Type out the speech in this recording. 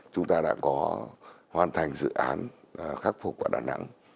chúng ta đã có hoàn thành dự án khắc phục ở đà nẵng